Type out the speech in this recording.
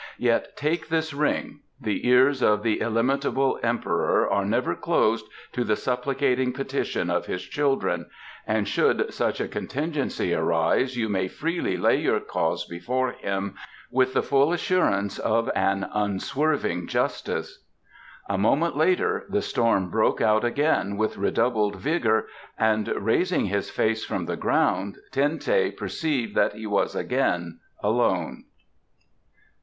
Yet take this ring; the ears of the Illimitable Emperor are never closed to the supplicating petition of his children and should such a contingency arise you may freely lay your cause before him with the full assurance of an unswerving justice." A moment later the storm broke out again with redoubled vigour, and raising his face from the ground Ten teh perceived that he was again alone.